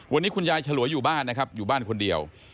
วันนี้คุณยายฉลวยอยู่บ้านนะครับอยู่บ้านคนเดียว